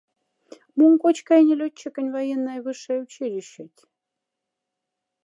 Мон кочкайне лётчиконь военнай высшай училищать.